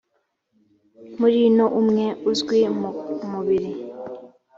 murimo umwe uzwi mu mubiri